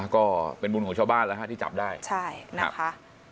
ก็เป็นบุญของชาวบ้านแล้วฮะที่จับได้ใช่นะคะ